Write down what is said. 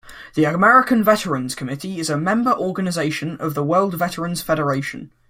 The American Veterans Committee is a member organization of the World Veterans Federation.